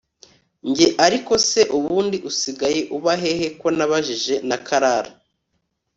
Njye ariko se ubundi usigaye uba he he ko nabajije na Clara